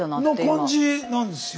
感じなんですよ。